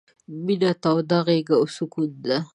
— مينه توده غېږه او سکون دی...